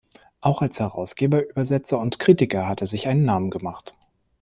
Auch als Herausgeber, Übersetzer und Kritiker hat er sich einen Namen gemacht.